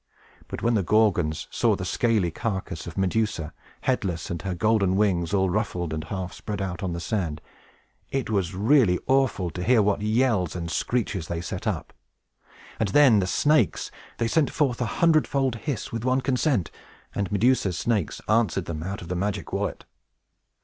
But when the Gorgons saw the scaly carcass of Medusa, headless, and her golden wings all ruffled, and half spread out on the sand, it was really awful to hear what yells and screeches they set up. And then the snakes! They sent forth a hundred fold hiss, with one consent, and Medusa's snakes answered them out of the magic wallet.